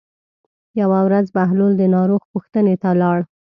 یوه ورځ بهلول د ناروغ پوښتنې ته لاړ.